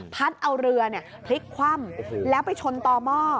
พัดเอาเรือพลิกคว่ำแล้วไปชนต่อหม้อ